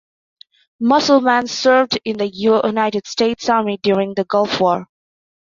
Musselman served in the United States Army during the Gulf War.